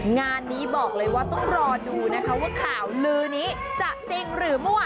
งานนี้บอกเลยว่าต้องรอดูนะคะว่าข่าวลือนี้จะจริงหรือเมื่อวาน